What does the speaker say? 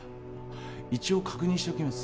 一応確認しておきます